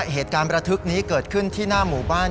เหตุการณ์ประทึกนี้เกิดขึ้นที่หน้าหมู่บ้าน